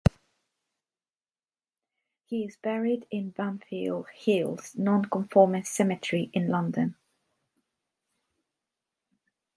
He is buried in Bunhill Fields non-conformist cemetery, in London.